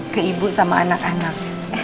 ke ibu sama anak anak